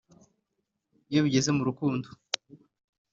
iyo bigeze mu rukundo